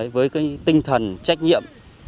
với tinh thần trách nhiệm